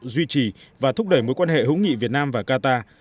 duy trì và thúc đẩy mối quan hệ hữu nghị việt nam và qatar